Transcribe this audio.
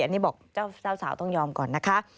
อันนี้บอกเจ้าสาวต้องยอมก่อนนะคะ